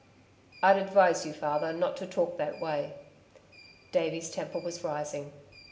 "I'd advise you, father, not to talk that way," Davey's temper was rising.